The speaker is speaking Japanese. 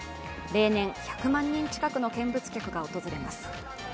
例年１００万人近くの見物客が訪れます。